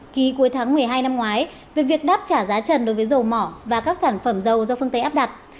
ký cuối tháng một mươi hai năm ngoái về việc đáp trả giá trần đối với dầu mỏ và các sản phẩm dầu do phương tây áp đặt